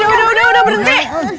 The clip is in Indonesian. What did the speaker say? udah udah udah berhenti